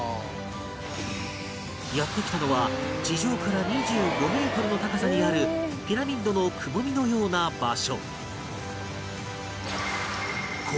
やって来たのは地上から２５メートルの高さにあるピラミッドのくぼみのような場所